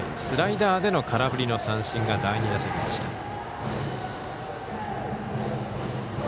スライダーでの空振りの三振が第２打席でした。